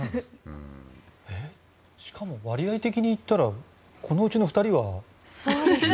しかも割合的に言ったらこのうちの２人は。